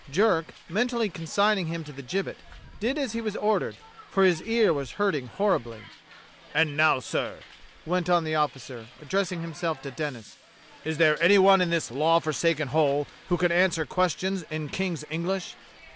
Jerk, mentally consigning him to the gibbet, did as he was ordered, for his ear was hurting horribly. "And now, sir," went on the officer, addressing himself to Denis, "is there anyone in this law forsaken hole who can answer questions in King's English